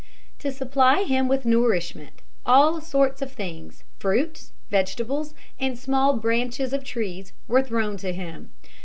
To supply him with nourishment, all sorts of things fruits, vegetables, and small branches of trees were thrown to him.